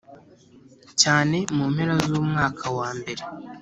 cyane Mu mpera z umwaka wa mbere